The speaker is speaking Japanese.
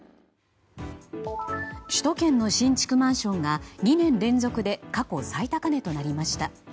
首都圏の新築マンションが２年連続で過去最高値となりました。